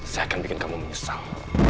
saya akan bikin kamu menyesal